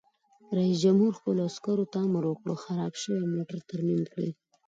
رئیس جمهور خپلو عسکرو ته امر وکړ؛ خراب شوي موټر ترمیم کړئ!